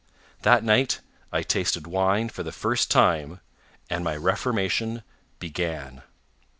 That night I tasted wine for the first time, and my reformation began.